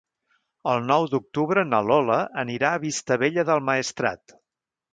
El nou d'octubre na Lola anirà a Vistabella del Maestrat.